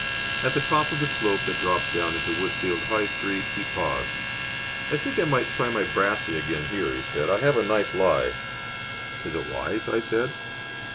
At the top of the slope that drops down into Woodfield High Street he paused. "I think I might try my brassey again here," he said. "I have a nice lie." "Is it wise?" I said.